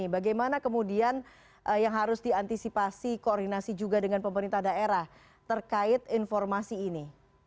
bagaimana kemudian yang harus diantisipasi koordinasi juga dengan pemerintah daerah terkait informasi ini